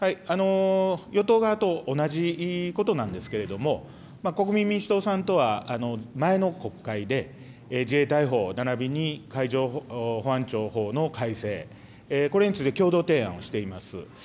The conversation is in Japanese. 与党側と同じことなんですけれども、国民民主党さんとは、前の国会で自衛隊法ならびに海上保安庁法の改正、これについて共同提案をしています。